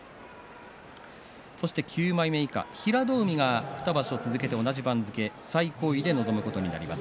９枚目以下、平戸海が２場所続けて同じ番付、最高位で臨むことになります。